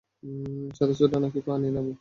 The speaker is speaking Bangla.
সাথে সোডা নাকি পানি নিবি?